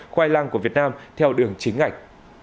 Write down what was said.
khoai lang của việt nam theo đường chính ảnh